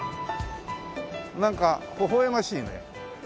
なんかほほ笑ましいね。